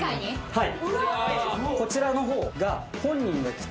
はい。